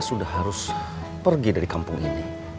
sudah harus pergi dari kampung ini